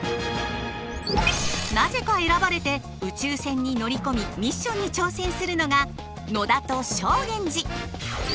なぜか選ばれて宇宙船に乗り込みミッションに挑戦するのが野田と正源司。